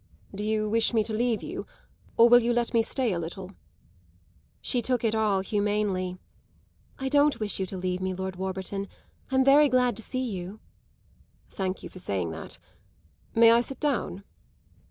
"Do you wish me to leave you, or will you let me stay a little?" She took it all humanely. "I don't wish you to leave me, Lord Warburton; I'm very glad to see you." "Thank you for saying that. May I sit down?"